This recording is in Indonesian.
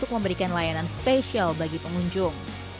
dan juga memberikan layanan spesial bagi pengunjung